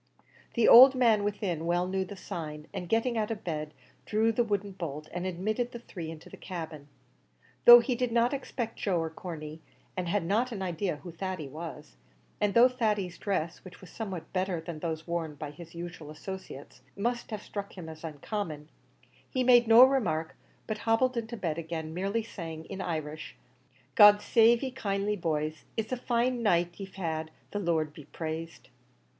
The old man within well knew the sign, and, getting out of bed, drew the wooden bolt, and admitted the three into the cabin. Though he did not expect Joe or Corney, and had not an idea who Thady was; and though Thady's dress, which was somewhat better than those worn by his usual associates, must have struck him as uncommon, he made no remark, but hobbled into bed again, merely saying, in Irish, "God save ye kindly, boys! it's a fine night ye've had, the Lord be praised!"